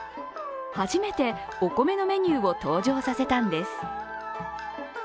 初めてお米のメニューを登場させたんです。